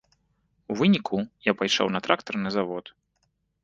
У выніку я пайшоў на трактарны завод.